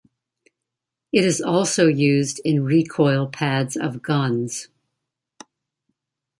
It is also used in recoil pads of guns.